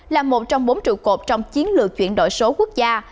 là một trong bốn trụ cột trong chiến lược chuyển đổi số quốc gia